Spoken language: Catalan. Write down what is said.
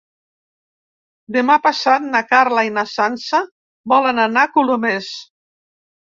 Demà passat na Carla i na Sança volen anar a Colomers.